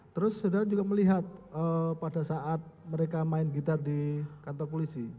terus saudara juga melihat pada saat mereka main gitar di kantor polisi